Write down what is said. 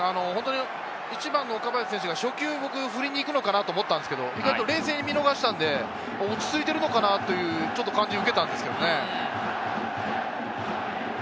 １番の岡林選手が初球、振りに行くのかなと思ったら、冷静に見逃したので落ち着いてるのかなという感じを受けたんですね。